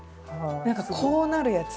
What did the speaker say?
何かこうなるやつ。